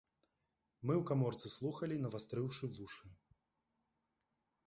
Мы ў каморцы слухалі, навастрыўшы вушы.